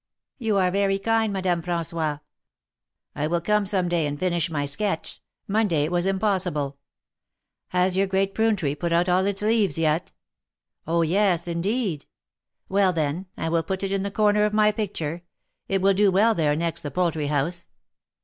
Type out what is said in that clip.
You are very kind, Madame Fra§nois. I will come some day and finish my sketch ; Monday it was impossible. Has your great prune tree put out all its leaves yet ?" Oh ! yes, indeed." " Well, then, I will put it in the corner of my picture; it will do well there next the poultry house.